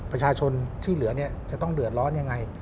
ประชาชนที่เหลือจะต้องเดือดร้อนยังไง